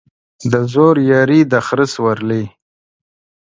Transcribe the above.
د زورياري ، د خره سورلى.